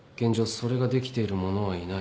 それができている者はいない。